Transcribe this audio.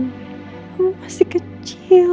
kamu masih kecil